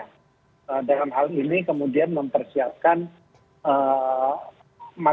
nah dalam hal ini kemudian mempersiapkan masyarakat